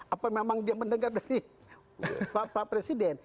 apa memang dia mendengar dari bapak presiden